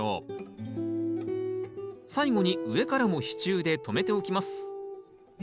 最後に上からも支柱で留めておきます